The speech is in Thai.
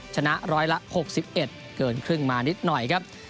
ชนะร้อยละ๖๑เกินครึ่งมานิดหน่อยครับ